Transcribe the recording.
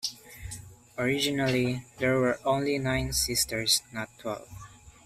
Originally, there were only nine sisters, not twelve.